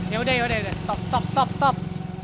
yaudah yaudah stop stop stop stop